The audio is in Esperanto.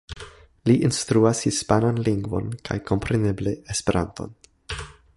Li instruas hispanan lingvon, kaj kompreneble Esperanton.